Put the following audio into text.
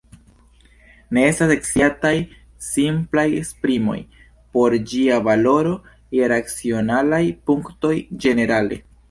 Ne estas sciataj simplaj esprimoj por ĝia valoro je racionalaj punktoj ĝenerale.